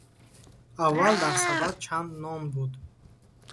Аввал дар сабад чанд нон буд?